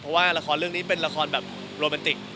เพราะว่าละครเรื่องนี้เป็นละครแบบโรแมนติก